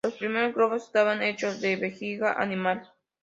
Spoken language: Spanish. Los primeros globos estaban hechos de vejiga animal.